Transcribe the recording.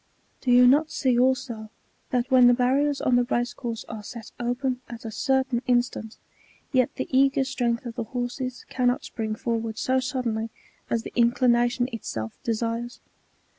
Do you not see also, that when the barriers on the race course are set open at a certain in stant, yet the eager strength of the horses cannot spring for ward so suddenly as the inclination itself desires